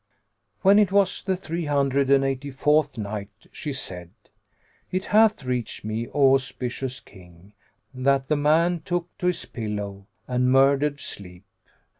When it was the Three Hundred and Eighty fourth Night, She said, It hath reached me, O auspicious King, that the man took to his pillow and murdered sleep.